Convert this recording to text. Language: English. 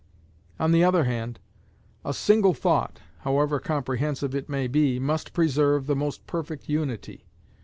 On the other hand, a single thought, however comprehensive it may be, must preserve the most perfect unity.